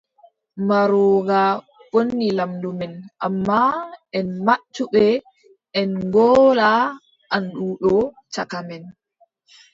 Mbarooga woni laamɗo men, ammaa, en majjuɓe, en ngolaa annduɗo caka men.